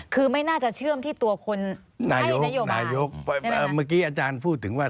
คือไม่น่าจะเชื่อมที่ตัวคนไหนช่วยมา